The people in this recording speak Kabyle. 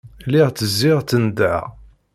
Lliɣ ttezziɣ, ttennḍeɣ.